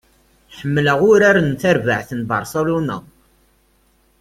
Ḥemmleɣ urar n terbaɛt n Barcelona.